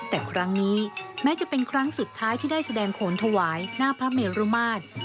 แต่ครั้งนี้แม้จะเป็นครั้งสุดท้ายที่ได้แสดงโขนถวายหน้าพระเมรุมาตร